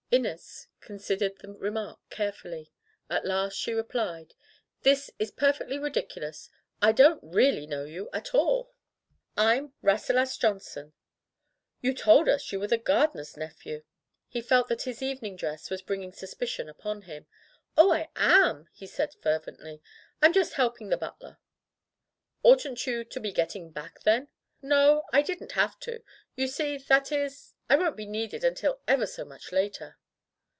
Inez considered the remark carefully. At last she replied: "This is perfectly ridicu lous. I don't really know you at all." [i8i] Digitized by LjOOQ IC Interventions "Fm Rasselas Johnson/' " You told us you were the gardener's nephew " He felt that his evening dress was bring ing suspicion upon him. "Oh, I am!" he said fervently. "Fm just helping the butler.'* "Oughtn't you to be getting back, then?" "No. I didn't have to. You see — that is — I won't be needed until ever so much later."